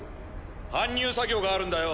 搬入作業があるんだよ。